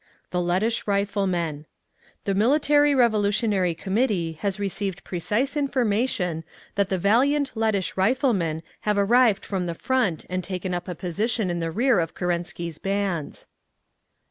The Lettish Riflemen: The Military Revolutionary Committee has received precise information that the valiant Lettish Riflemen have arrived from the Front and taken up a position in the rear of Kerensky's bands.